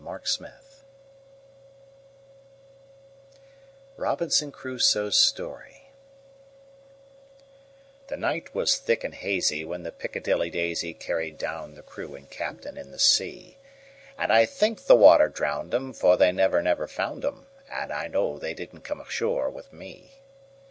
Carryl1841–1920 Robinson Crusoe's Story THE NIGHT was thick and hazyWhen the "Piccadilly Daisy"Carried down the crew and captain in the sea; And I think the water drowned 'em; For they never, never found 'em, And I know they didn't come ashore with me.